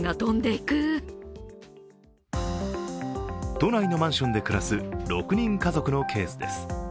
都内のマンションで暮らす６人家族のケースです。